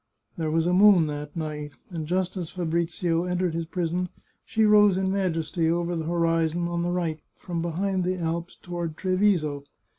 There was a moon that night, and just as Fabrizio en tered his prison, she rose in majesty over the horizon on the right, from behind the Alps toward Treviso.